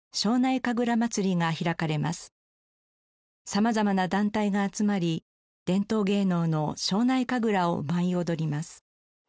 様々な団体が集まり伝統芸能の庄内神楽を舞い踊ります。